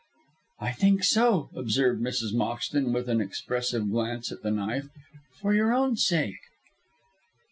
"I think so," observed Mrs. Moxton, with an expressive glance at the knife, "for your own sake."